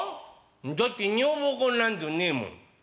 「だって女房子なんぞねえもん」。